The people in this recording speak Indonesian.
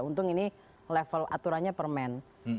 untung ini level aturannya permen